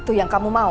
itu yang kamu mau